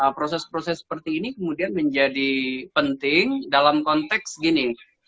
proses proses seperti ini kemudian menjadi penting dalam konteks gini